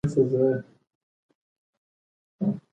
هغه مرغۍ راواخیسته او کوټې ته ننووت.